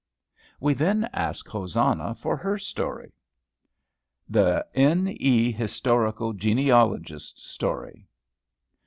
We then asked Hosanna for her story. THE N. E. HISTORICAL GENEALOGIST'S STORY.